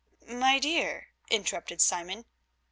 "My dear," interrupted Simon.